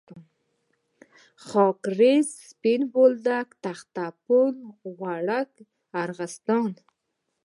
خاکریز، سپین بولدک، تخته پل، غورک، ارغستان.